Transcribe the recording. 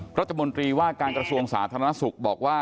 รัฐมนตรีว่าการกระทรวงสาธารณสุขบอกว่า